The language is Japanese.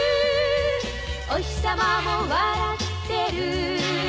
「おひさまも笑ってる」